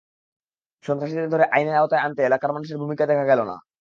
সন্ত্রাসীদের ধরে আইনের আওতায় আনতে এলাকার মানুষের ভূমিকা দেখা গেল না।